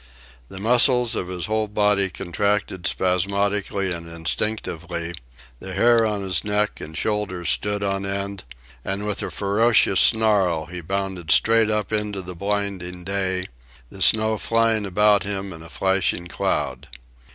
The muscles of his whole body contracted spasmodically and instinctively, the hair on his neck and shoulders stood on end, and with a ferocious snarl he bounded straight up into the blinding day, the snow flying about him in a flashing cloud.